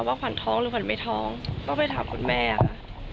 ขวัญท้องหรือขวัญไม่ท้องก็ไปถามคุณแม่ค่ะ